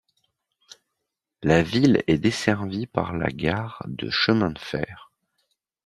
La ville est desservie par la gare de chemin de fer.